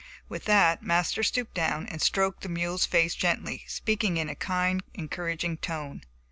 With that Master stooped down and stroked the mule's face gently, speaking in a kind, encouraging tone.